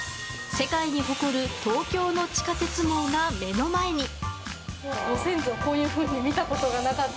世界に誇る東京の地下鉄網が目の前に。